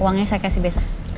uangnya saya kasih besok